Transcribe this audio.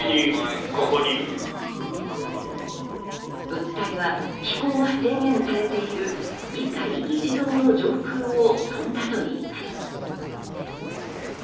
物体は飛行が制限されている議会議事堂の上空を飛んだといいます。